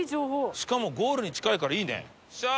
しかもゴールに近いからいいね。